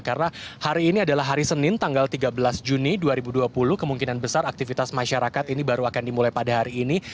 karena hari ini adalah hari senin tanggal tiga belas juni dua ribu dua puluh kemungkinan besar aktivitas masyarakat ini baru akan dimulai pada hari ini